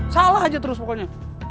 salah aja terus pokoknya